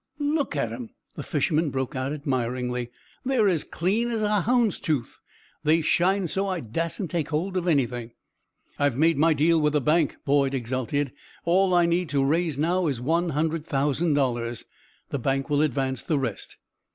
"Look at 'em!" the fisherman broke out, admiringly. "They're as clean as a hound's tooth. They shine so I dassent take hold of anything." "I have made my deal with the bank," Boyd exulted. "All I need to raise now is one hundred thousand dollars. The bank will advance the rest."